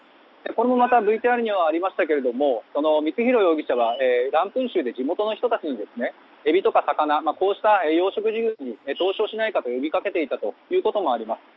これもまたＶＴＲにありましたが光弘容疑者はランプン州で地元の人たちにエビとか魚こうした養殖事業に投資をしないかといった話もあったといいます。